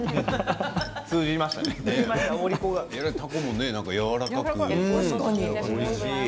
たこもやわらかくておいしい！